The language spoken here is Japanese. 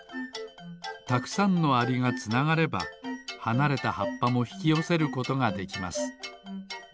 たくさんのアリがつながればはなれたはっぱもひきよせることができます。